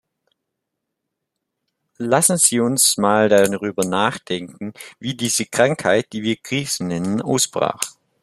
Lassen Sie uns mal darüber nachdenken, wie diese Krankheit, die wir Krise nennen, ausbrach.